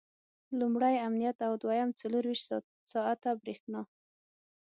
لومړی امنیت او دویم څلرویشت ساعته برېښنا.